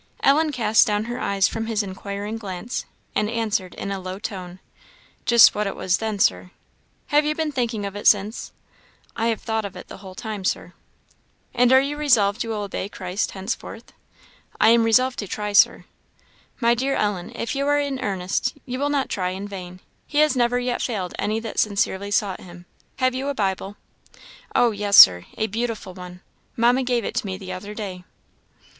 Ellen cast down her eyes from his inquiring glance, and answered, in a low tone, "Just what it was then, Sir." "Have you been thinking of it since?" "I have thought of it the whole time, Sir." "And are you resolved you will obey Christ henceforth?" "I am resolved to try, Sir." "My dear Ellen, if you are in earnest, you will not try in vain. He never yet failed any that sincerely sought him. Have you a Bible?" "Oh yes Sir! a beautiful one; Mamma gave it to me the other day."